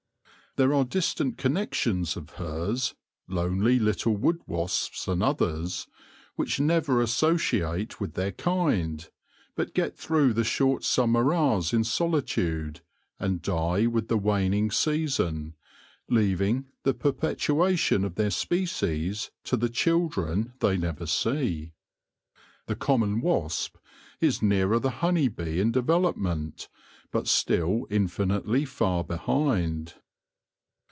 There are distant connections of hers — lonely little wood wasps and others — which never associate with their kind, but get through the short summer hours in solitude, and die with the waning season, leaving the perpetuation of their species to the children they never see. The common wasp is nearer the honey bee in development, but still infinitely far behind.